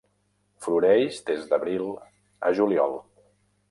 Floreix des d'abril a juliol.